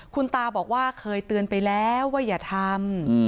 คุณตาบอกว่าเคยเตือนไปแล้วว่าอย่าทำ